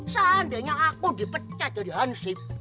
seandainya aku dipecat dari hanship